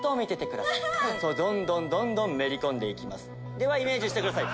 ではイメージしてください